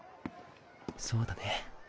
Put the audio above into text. そうだね。